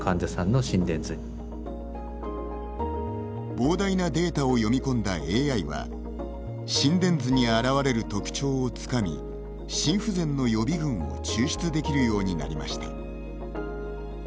膨大なデータを読み込んだＡＩは心電図に現れる特徴をつかみ心不全の予備軍を抽出できるようになりました。